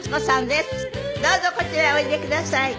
どうぞこちらへおいでください。